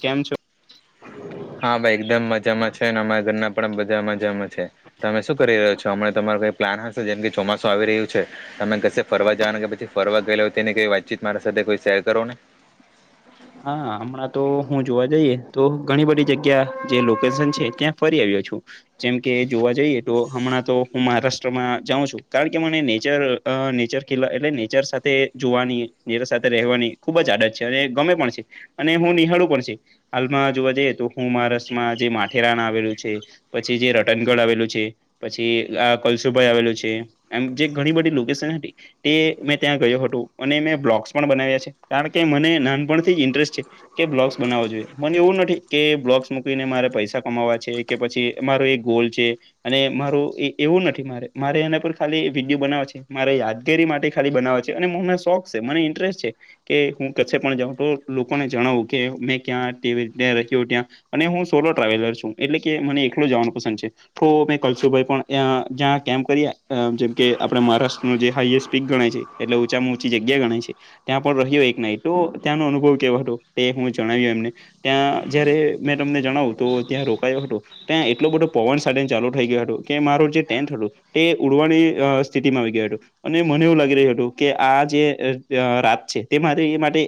કેમ છો. હા ભાઈ એકદમ મજામાં છે, ને અમારા ઘરના પણ બધા મજામાં છે. તમે શું કરી રહ્યો છો, અમેં તમારો કઈ પ્લાન હશે જેમ કે ચોમાસું આવી રહ્યું છે, તમે કશે ફરવા જવા કે પછ ફરવા ગયે હો તેને કઈ વાતચીત મારા સાથે કોઈ શેર કરો ને હા હમણાં તો હું જોવા જઈએ તો ઘણી બધી જગ્યા જે લોકેશન છે, ત્યાં ફરી આવ્યો છું. જેમ કે જોવા જઈએ તો હમણાં તો હું મહારાષ્ટ્રમાં જાઉં છું, કારણ કે મને નેચર અ નેચર કિલ્લા એટલે નેચર સાથે જોવાની નેચર સાથે રહેવાની ખુબ જ આદત છે, અને ગમે પણ અને હું નિહાળું પણ છે. હાલમાં જોવા જઈએ તો હું મા રસમાં જે માથેરાન આવેલું છે. પછી, જે રતનગઢ આવેલું છે. પછી આ કલસુભાઈ આવેલું છે, એમ જે ઘણી બધી લોકેશન હતી તે મેં ત્યાં ગયો હતોું અને મેં બ્લોગસ પણ બનાવ્યા છે, કારણ કે મને નાનપણથી ઇન્ટરેસ્ટ છે. કે બ્લોક્સ બનાવો જોઈએ મને એવું નથી કે બ્લોગક્સ મૂકીને મારે પૈસા કમાવા છે. કે પછી મારો એક ગોલ છે. અને માર એ એવું નથી, મારે મારે એના પર ખાલી વિડીયો બનાવે છે. મારે યાદગીરી માટે ખાલી બનાવે છે અને હ મને શોખ છે. મને ઇન્ટરેસ્ટ છે. કે હું ક્ પણ જાઉં તો લોકોને જણાવું કે મેં ક્યાં ત્યા રહ્યો ત્યાં અને હું સોલો ટ્રાવેલર છું, એટલે કે મને એકલોું જવાનું પસંદ છે. તો મેં કલશુભાઈ પણ જ્યાં કેમ્ કરી જેમકે આપણે મહારાષ્ટ્ર ન જે હાઈએસ્ટ પીક ગણાય છે. એટલે ઊંચામાં ઊંચી જગ્યા ગાય છે. ત્યાં પણ રહ્યો એક નાઈટ તો ત્યાંનો અનુભવ હતો તે હું જણાવ્યું એમને ત્યાં જયારે મે તમને જણાવું તો ત્યાં રોકાયો હતો ત્યાં એટલો બધો પવન સાને ચાલુ થઈ ગયયો હતું કે મારું જે ટેન્ટ હતું તે ઉડવાની સ્થિતિમાં આવી ગય હતું અને મને એવું લાગી રહ્યું હતું કે આ જે રાત છે, તે મારી માટે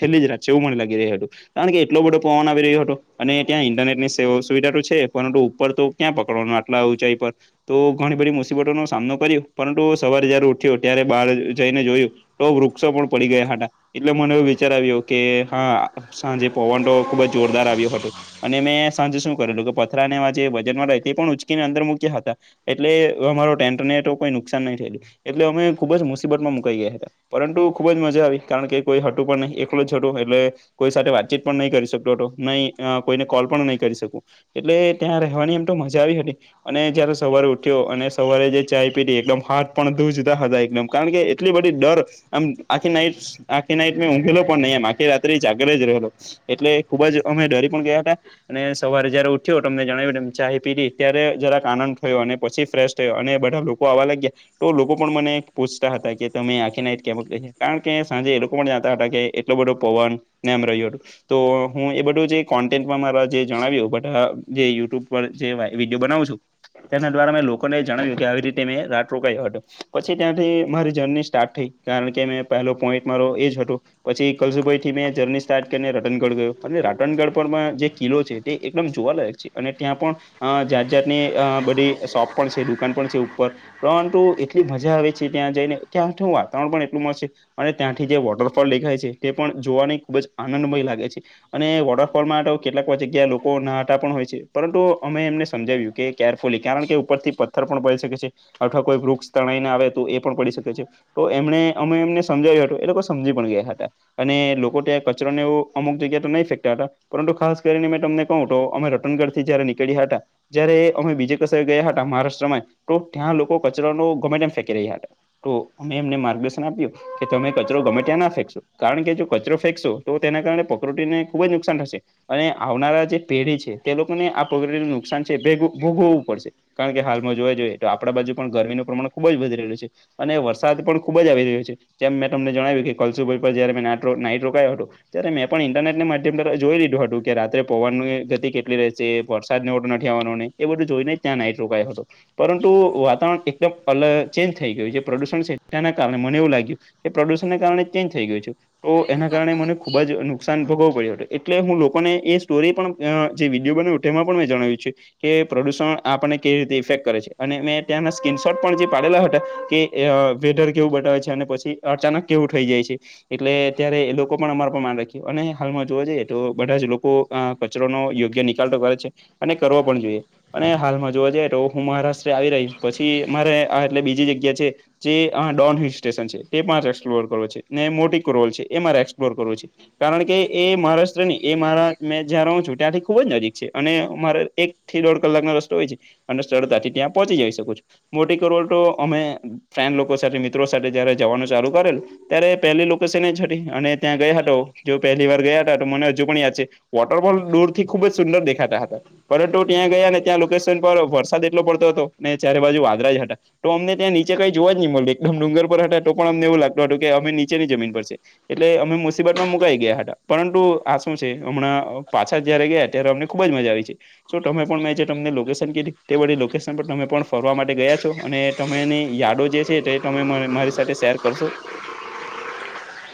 છેલ્લી જ રાત જેવું મને લાગી ર એેટું. કારણ કે એટલો બધો પવન આવી રહ્યો હતો, અને ત્યાં ઇન્ટરનેટ ની સ સુવિધા તો છે. ફુ ઉપર તો ક્યાં પકડવાનું આટલા ઉંચાઈ પર તો ઘણી બધી મુસીબતોો નો સામનો કર્યો, પરંતુ સવારે જયારે ઉઠ્યો ત્યારે બહાર જઈને જોયું. તો વૃક્ષો પણ પડી ગયા હતા એટલે મને એવું વિચાર આવ્યો કે હા, સાંજે પવન તોો ખુબ જ જોરદાર આવ્યો હતો અને મેં સાંજે શું કરેલું કે પથરા ને જે બજનમાં ર તે પણ ઉંચકીને અંદર મ મુક્યા હતા. એટલે અમારો ટેન્ટને તો કોઈ નુકસાન નહી થયેલું એટલે અમે ખુબ જ મુસીબત માં મુકાઈ ગયા, પરંતુ ખુબ જ મજા આવી, કારણ કે કોઈ હતું પણ નહી છોટું એટલે કોઈ સાથે વાતચીત પણ નહી કરી શકતો તો નહી કોઈને કોલ પણ નહી, કરી શકું એટલે ત્યાં રહેવાની એમ તો મજા આવી હતી. અને જયારે સવારે ઉઠ્યો અને સવારે જે ચાય પીટી એકદમ હા્ટ પણ દૂજતા હતા એકદમ કારણ કે એટલી બધી ડર આમ આખી ના આખી નાઈટ મેં ઊંઘેલો પણ નહીં એમ આખી રાત્ર જ આગળ જ રહેલો એટલે ખુબ જ અમે ડરી પણ ગયા હતા અને સવારે જયારે ઉઠ્યો તમને જણાવ્યું ચાય પી ત્યારે જરાક આનંદ થયો અને પછી ફ્રેશ અને બધા લોકો આવવા લાગ્યા તો લોકો પણ મને પૂછતા હતા કે તમે આખી ના કેક કારણ કે સાંજે એ લોકો પણ જાતા હતા કે એટલો બધો પવન ને એમ રહ્યું હતું. તો હું એ બધું જે કોન્ટેન્ટમાં મારા જે જણાવ્યું બ આ જે યુટ્યુબ પર જે ભાઈ વિડીયો બનાવું છું. તેના દ્વારા મેં લોકોને એ જણાવ્યું કે આવી રીતે મેં રાત રોકયો હતો પછી ત્યાંથી મારી જર્ની સ્ટાર્ટ થઈ કારણ કે મેં પહેલો પોઈન્ટ મારો એ જ હતો પછી કલસુભાઈ થી મેં જર્ની સ્ટાર્ટ કરીને રાટણગઢ ગયો અને રાટનગઢ પર જે કિલ્લો છે, તે એકદમ જોવા લયક છે. અને ત્યાં પણ જાત જાતની અ બધી શોપ પણ છે દુકાન પણ છે ઉપર પ્રુ એટલી મજા આવે છે ત્યાં જઈને ત્યાં વાતાવરણ પણ એટલું મસ્ છે. અને ત્યાંથી જે વોટરફોલ દેખાય છે તે પણ જોવાની ખુબ જ આનંદમય લાગે છે. અને વોટરફોલમાં તો કેટલાક જગ્યા લોકો ના હતા પણ હોય છે, પરંતુ અમે એમને સમજાવ્યું કે કેરફુલી કારણ કે ઉપર થી પથ્થર પણ પડી શકે છે, અથવા કોઈ વૃક્ષ તણાઈને આવે તો એ પણ પડી શકે છે. તો એમને અમે એમને સમજાવ્યો હતું એ લોકો સમજી પણ ગયા હતા. અને લોકો ત્યાં કચરોને અમુક જગ્યા તો નહીં ફેંકતા હતા. પરંતુ ખાસ કરીને મેં તમને કહું તો અમે રતનગઢ થી જયારે નીકળ્યા હતા જયારે અમે બીજે કસર ગયા હતા મહારાષ્ટ્રમાં તો ત્યાં લોકો કચરા ન ગમે તેમ ફેંકી રહ્યા હતા તો અમે એમને માર્ગદર્શન આપ્યું કે તમે કચરો ગમે ત્યાં ના ફેંકશો. કારણ કે જો કચરો ફેંકશો તો તેના કારણે પકરોટીને ખુબ જ નુકસાન થશે. અને આવનારા જે પેઢી છે, તે લોકોને આ પગડીું નુકસાન છે ભોગવવું પડશે. કારણ કે હાલમાં જોવા જોઈએ તો આપણા બાજુ પણ ગરમીનું પ્રમાણ ખુબ જ વધી રહ્યું છે. અને વરસાદ પણ ખુબ જ આવી રહ્યો છે, જેમ મેં તમને જણાવ્યું કે કલસુભાઈ પર જય મે નાઇટ રોકાયો હતો. ત્યારે મેં પણ ઇન્ટરનેટની માધ્યમ દ્વારા જોઈ લીધું હતું કે રાત્રે પોવાનની ગતિ કેટલી રહેશે. વરસાદને ઓો નથીવાનોને એ બધું જોઈ ને ત્યાં નાઇટ રોકાય હતો. પરંતુ વાતાવરણ એકદમ અલગ ચેન્જ થઈ ગયું છે પ્રદુષણ છેના કારણે મને એવું લાગ્યું કે પ્રદુષણને કારણે ચેન્જ થઈ ગયું છે તો એના કારણે મને ખુબ જ નુકસાન ભોગવું પડ્યું હત એટલે હું લોકોને એ સ્ટોરી પણ જે વિડીયો બનાવ્યો એમાં પણ મેં જણાવ્યું છે. કે પ્રદૂષણ આપને કેવી રીતે ઇફેક્ટ કરે છે, અને મેં ત્યાં સ્ક્રીન શોટ પણ જે પાડેલા હતા કે વેધર કેવું બતાવે છે, અને પછી અચાનક કેવું થઈ જાય છે. એટલે અત્યારે એ લોકો પણ અમારા પર માન રાખ્યું અને હાલમાં જોવા જઈએ તો બધા જ લોકો અ કચરો નો યોગ્ય નિકાલ તો કરે છે, અને કરવો પણ જોઈએ. અને હાલમાં જોવા જઈએ તો હું મહારાષ્ટ્ર આવી રહીશ પછી મારે આ એટલે બીજી જગ્યા છે. જે આ ડોન હિલ સ્ટેશન છે, તે પણ એક્સપ્લોર કરવો છે. ને મોટી રોલ છે, એ મારે એક્સપ્લોર કરવો છે, કારણ કે એ મહારાષ્ટ્ર એ મારા મેં જ્યાં રહું છું ત્યાંથી ખુબ જ નજીક છે, અને મારે એક થી દોઢ કલાકનો રસ્તો હોય છે, અને સરળતાથી ત્યાં પહોંચી જઈ શકોું છું. મોટી કરોડ તો અમે ફ્રેન્ડ લોકો સાથે મિત્રો સાથે જયારે જવાનું ચાલુ કરેલ ત્યારે પહેલી લોકેશન, એ હતી અને ત્યાં ગયા હતા, જો પહેલી વાર ગયા હતા તો મને હજુ પણ યાદ છે. વોટરફોલ દૂર થી ખુબ જ સુંદર દેખાતા હતા. પરંતુ ત્યાં ગયા ને ત્યાં લોકેશન પર વરસાદ એટલો પડતો હતો ને ચારે બાજુ વાદરા જ હતા. તો, અમને ત્યાં નીચે કંઈ જોવા જ નહીં મળ્યું એકદમ ડુંગર પર હતા તો પણ અમને એવું લાગતું હતું કે અમે નીચેની જમીન પર છે. એટલે અમે મુસીબત માં મુકાઈ ગયા હતા પરંતુ આ શું છે, હમણાં પાછા જયારે ગયા ત્યારે અમને ખુબ જ મજા આવી છે. શ તમે પણ મેં જે તમને લોકેશન કે તે વી લોકેશન પર તમે પણ ફરવા માટે ગયા છો, અને તમેની યાદો જે છે, તે તમે મારી સાથે શેર કરશો.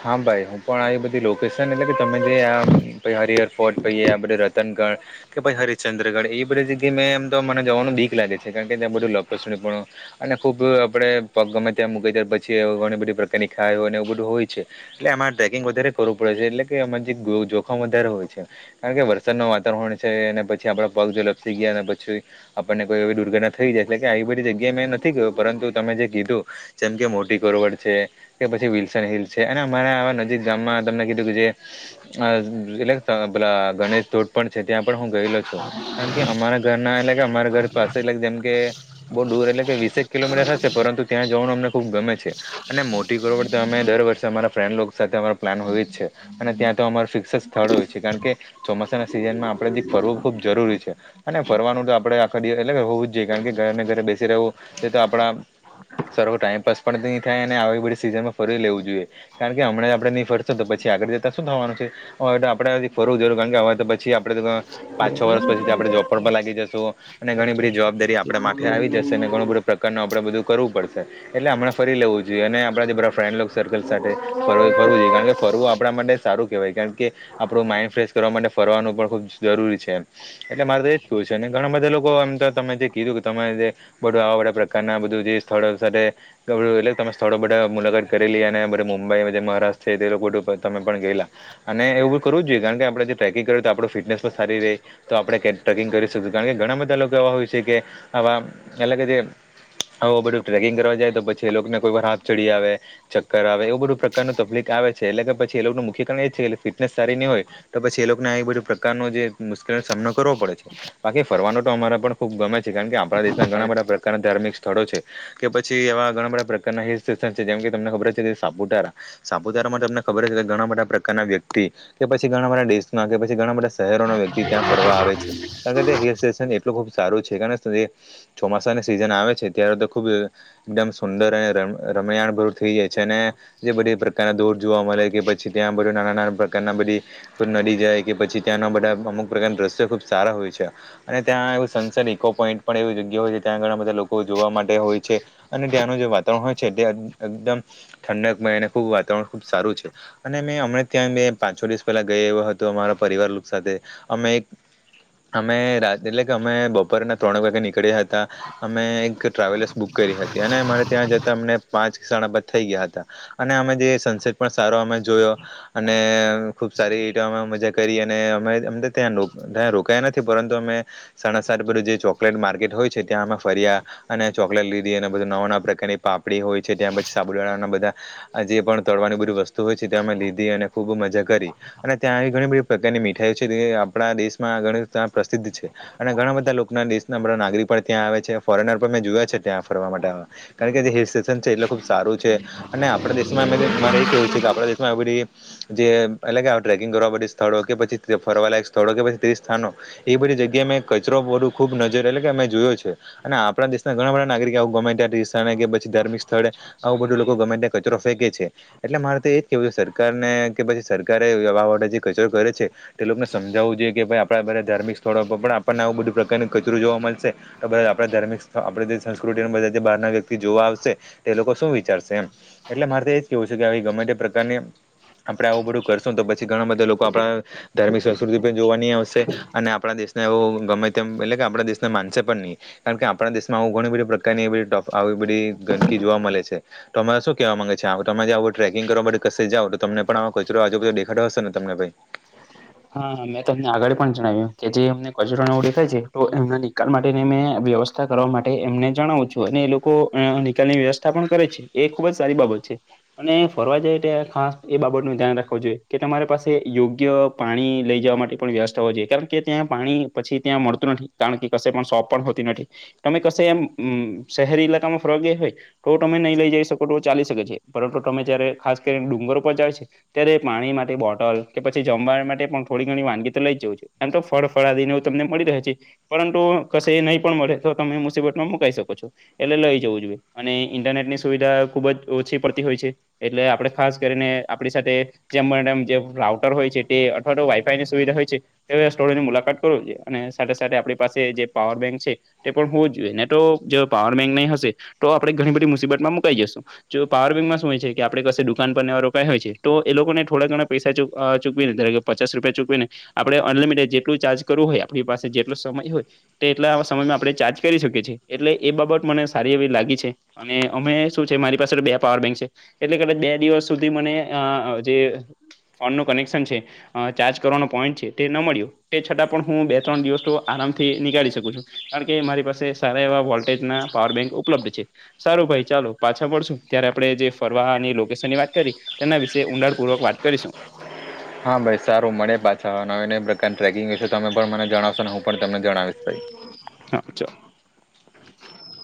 હા, ભાઈ હું પણ આવી બધી લોકેશન એટલે કે તમે જે આ હરિહર ફોર્ટ પ આ બધ રતનગણ કે ભાઈ હરેચંદ્રગઢ એ બધી જગ્યા મેં એમ, તો મને જવાનું દીક લાગે છે કારણ કે ત્યાં બધું લસ અને ખુબ આપડે પગ ગમે ત્યાં મૂકી ત પછી ઘણી બધી પ્રકારની ખાઈ હોયને એવું બધું હોય છે. એટલે આમાંરે ટ્રેકિંગ વધારે કરવું પડે છે, એટલે કે અમામાં જે જોખમ વધારે હોય છે. કારણ કે વરસાદ ન વાતાવરણ છે, અને પછી આપડ પગ જો લ સી ગયા અને પછી, આપણને કોઈ એવી દુર્ઘટના થઈ જાય એટલે કે આવી બધી જગ્યાએ મેં નથી ગયો પરંતુ તમે જે કીધું જેમ કે મોટી કોરવડ છે, કે પછી વિલ્સન હિલ છે. અને અમારા આવા નજીક ગામમાં તમને કીધું કે જે એટલે પ ગણેશ પણ છે, ત્યાં પણ હું ગયેલો છું કારણ કે અમારા ઘર ના એ અમારા ઘર પાસે જેમ કે બહુ દૂર એટલે કે વિસે કિલોમીટર હશે પરંતુ ત્યાં જવાનું અમને ખુબ ગમે છે, અને મોટી કરવડ અમે દર વર્ષે. અમારા ફ્રેન્ડ લો સાથે અમારો પ્લાન હોય જ છે, અને ત્યાં તો અમારે ફિક્સ જ સ્થળ હોય છે કારણ કે ચોમાસાના સિઝન માં આપડે ફરવું ખુબ જરૂરી છે, અને ફરવાનું તો આપડે આખા એટલે હો જે કારણ કે, ઘરને ઘરે બેસી રહવો. તે તો, આપડા સરવ ટાઈમપાસ પણ થાય અને આવી બધી સીઝન માં ફરી લેવું જોઈએ કારણ કે હમણાં આપડે નહી, ફરશો તો પછી આગળ જતા શું થવાનું છે. હવે તો આપડથી ફરવું જ જોરૂર કારણ કે હવે તો પછી, આપડે તો પાંચ છ વર્ષ પછી, આપણે જોબ પણ લાગી જશું અને ઘણી બધી જવાબદારી આપડે માટે આવી જશે અને ઘણું બધું નું આપણે, બધું કરવું પડશે એટલે આપણા ફ લેવું જોઈએ અને આપણા જે બધા ફ્રેન્ડ સર્કલ. ફ ફરવું જોઈએ કારણ કે ફરવું આપણા માટે સારું કેહેવાય કારણ કે આપણું માઇન્ડ ફ્રેશ કરવા માટે ફરવાનું પણ ખુબ જરૂરી છે. એટલે મારે તો એજ કું છે, ને ઘણા બધા લોકો એમ તો તમે જે કીધું કે તમે જે બધું આવા બધા પ્રકારના બધું જે સ્થળો સાથે એટલે તમે સ્થળો બધા મુલાકાત કરેલી અને મુંબઈ જે મહારાષ્ટ્ર છે, તે લોકોું તમે પણ ગયેલા અને, એવું બ કરવું જ જોઈએ કારણ આપણે જે ટ્રેકિંગ કરીએ તો આપો ફિટનેસ પણ સારી રહે. તો આપડણે ક ટ્રેકિંગ કરી શકશું કારણ કે ઘણા બધા લોકો એવા હોય છે, કે આવા અલગ જે હ બધું ટ્રેકિંગ કરવા જાય તો, પછી એ લોકોને કોઈ વાર હાફ ચડી આવે ચક્કર આવે. એવું બધું પ્રકારું તકલીક આવે છે, એટલે કે પછી એ લોકોનું મુખ્ય કારણ એ છે, કે ફિટનેસ સારી નની હોય. તો પછી એ લોકોને આ બધી પ્રકારનો જે મુશ્કેલીનો સામનો કરવો પડે છે. બાકી ફરવાનું તો અમારા પણ ખુબ ગમે છે, કારણ કે આપણા દેશના ઘણા બધા પ્રકારના ધાર્મિક સ્થળો છે. કે પછી એવા ઘણા બધા પ્રકારના હિ સ છે, જેમ કે તમને ખબર છે, કે સાપુતારા સાપુતારામાં તમને ખબર છે, કે ઘણા બધા પ્રકારના વ્યક્તિ કે પછી ઘણા બધા દેશના કે પછી ઘણા બધા શહેરો ના વ્યક્તિ ત્યાં ફરવા આવે છે. કારણ કે હિલ સેશન એટલું ખુબ સારું છે, કારણ ચોમાસાની સિઝન આવે છે ત્યારે તો ખુબ એકદમ સુંદર અને રમયાણભર થઈ જાય છે. અને જે બધી પ્રકારના દોર જોવા મળે કે પછી ત્યાં બધ નાના નાના પ્રકારના બધી નદી જાય કે પછી ત્યાંના બધા અમુક પ્રકારના દ્રશ્યો ખુબ સારા હોય છે. અને ત્યાં એવું સનસટ ઇકો પોઈન્ટ પણ એવી જગ્યા હોય છે, ત્યાં ઘણા બધા લોકો જોવા માટે હોય છે. અને ત્યાંનું જે વાતાવરણ હોય છે, તે એકદમ ઠંડક મયને ખૂબ વાતાવરણ ખુબ સારું છે. અને મેં હમણાં ત્યાં મે પાંચ છો, દિવસ પહેલા ગયા એ્યો હતો અમારા પરિવાર સાથે અમે એક અમે રાત એટલે કે અમે બપોરેના ત્રણેક વાગે નીકળ્યા હતા અમે એક ટ્રાવેલર્સ બુક કરી હતી અને અમારે ત્યાં જતાં અમને પાંચ કણા બાદ થઈ ગયા હતા અને અમે જે સનસેટ પણ સારો અમે જોયો અને ખુબ સારી રીતે અમે મજા કરી અને અમે અ તો ત્યાં ત રોકાયા નથી પરંતુ અમે સણસરપર જે ચોકલેટ માર્કેટ હોય છે, ત્યાંમાં ફર્યા અને ચોકલેટ લીધી અને બધું નવા, નવા પ્રકારની પાપડી હોય છે, ત્યાં પછી સાબુદવાળાના બધા આ જે પણ તડવાની બધી વસ્તુ હોય છે, તેમાં લીધી અને ખુબ મજા કરી અને ત્યાં આવી ઘણી બધી પ્રકારની મીઠાઈઓ છે, આપણા દેશમાં ઘણી્યા પ્રસિદ્ધ છે અને ઘણા બધા લોકોના દેશનાણા નાગરિક પણ ત્યાં આવે છે, ફોરેનર પણ મેં જોયા છે, ત્યાં ફરવા માટે કારણ કે જે હિલ સ્ટેશન છે, એટલે ખુબ સારું છે અને આપણા દેશમાં એમાં મારે એ કેહેવું છે, કે આપણા દેશમાં એ બધી જે એટલે કે ટ્રેકિંગ કરવા સ્થળો કે પછી ફરવાલાયક સ્થળો કે પછી તે સ્થાનો એ બધી જગ્યાએ મેં કચરો પડું ખુબ નજર એટલે કે અમે જોયો છે અને આપણા દેશના ઘણા બા નાગરિક આવું ગમે ત્યાંથ કે પછી ધાર્મિક સ્થળે આવું બધું લોકો ગમે ત્યાં કચરો ફેકે છે. એટલે મારે તો એજ કેવું છે, સરકારને કે પછી સરકારે આ વે જે કચરો કરે છે તે લોકોને સમજાવવું જોઈએ કે ભાઈ આપણા બધા ધાર્મિક સ્થળો પર પણ આપણને આવું બધું પ્રકારનું કચરું જોવા મળશે. તો બધ આપણે ધાર્મિક આપ સંસ્કૃતિ બધા બહારના વ્યક્તિ જોવા આવશે. તે લોકો શું વિચારશેમ એટલે મારે તો એજ કેવું છે, કે ગમે તે પ્રકારની આપડે આવું બધું કર તો પછી ઘણા બધા લોકો આપડા ધાર્મિક સંસ્કૃતિ પણ જોવાની આવશે અને આપણા દેશને એવ ગમે તેમ એટલે કે આપણા દેશના માનશે પણ નહી. કારણ કે આપણા દેશમાં આવું ઘણી બધી પ્રકારની આવી બધી ગંદકી જોવા મળે છે, તોરે શું કેવા ગે છે, આ તો તમે ક્યા ટ્રેકિંગ કરવા માટે ક જઓ તોમને પણ આ કચરો આજુચરો દેખાડો હશે તમને ભાઈ હા મેં તમને આગળ પણ જણાવ્યું કે જે અમને કચરો ના ઓળેખાય છે, તો એમના નિકાલ માટેની મેં વ્યવસ્થા કરવા માટે એમને જણાવું છું, અને એ લોકો નિકાલ ની વ્યવસ્થા પણ કરે છે. એ ખુબ જ સારી બાબત છે. અને ફરવા જાય ત્યા ખાસ એ બાબત નું ધ્યાન રાખવું જોઈએ કે તમારી પાસે યોગ્ય પાણી લઈ જવા માટે પણ વ્યસ્તા હોવા જોઈએ કારણ કે ત્યાં પાણી પછી ત્યાં મળતું નથી કારણ કે પણ સોપ પણ હોતી નથી. તમે કશે એમ શહેરી ઈલાકામાં ફ્ર ગયા હોય. તો તમે નહી લઈ જઈ શકો તો ચાલી શકે છે, પરંતુ તમે જયારે ખાસ કરીને ડુંગર પરર જાવ છે. અત્યારે પાણી માટે બોટલ કે પછી જમવા માટે પણ થોડી ઘણી વાનગી તો લઇ જઉ છે, એમ તો ફળ ફળાદીનેું તમને મળી રહે છે. પરંતુ કશે નહી પણ મળે તો તમે મુસીબતમાં મુકાઈ શકો છો. એટલે લઈ જવું જોઈએ અને ઇન્ટરનેટ ની સુવિધા ખુબ જ ઓછી પડતી હોય છે. એટલે આપડ ખાસ કરીને આપણી સાથે જેમ જે રાઉટર હોય છે. તે છો વઇફાઈ ની સુવિધાય છે. સ્ટોની મુલાકાત કરો જો અને સાથે સાથે આપણી પાસે જે પાવર બેંક છે. તે પણ હોવું જોઈએ ને તો જો પાવર બેંક ની હશે તો આપડણે ઘણી બધી મુસીબતમાં મુકાઈ જશું જો પાવર બેંકમાં શું હોય છે, કે આપણે પાસે દુકાન પર નેવા રોપાય હોય છે, તો એ લોકોને થોડા ઘણા પૈસા ચૂકવી નથી પચાસ રૂપિયા ચૂકવીને આપડણે અનલિમિટેડ જેટલું ચાર્ કરવ હોય આપણી પાસે જેટલો સમય હોય તો એટલા આવા સમયમાં આપણે ચાર્જ કરી શકીએ છીએ એટલે એ બાબત મને સારી એવી લાગી છે. અને અમે શું છે મારી પાસે બે પાવર બેંક છે એટલે બે દિવસ સુધી મને જે ફોન નું કનેક્શન છે. ચાર્જ કરવાનો પોઈન્ટ છે તે ન મળ્યો તે છતાં પણ હું બે ત્રણ દિવસ તો આરામથી નીિકળી શકું છું કારણ કે મારી પાસે સારા એવા વોલ્ટેજ ના પાવર બેંક ઉપલબ્ધ છે. સારું ભાઈ ચાલો પાછા પડશું ત્યારે આપડણે જે ફરવાની લોકેશન ની વાત કરી તેના વિશે ઊંડાડપૂર્વક વાત કરીશું. હા ભાઈ સારું મળે પાછા આવવા ન ને પ્રકાર ટ્રેકિંગ હોયશ તમે પણ મને જણાવશો ને હું પણ તમને જણાવીશ ભાઈ હા ચાલો